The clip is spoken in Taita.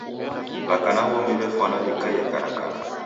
W'aka na w'omi w'efwana w'ikaie karakara.